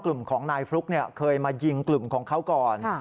กลุ่มของนายฟลุ๊กเคยมายิงกลุ่มของเขาก่อน